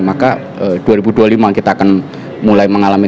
maka dua ribu dua puluh lima kita akan mulai mengalami